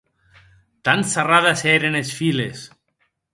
Tan sarrades èren es files!